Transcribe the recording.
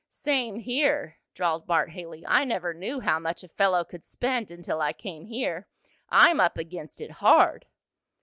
"Same here," drawled Bart Haley. "I never knew how much a fellow could spend until I came here. I'm up against it hard!"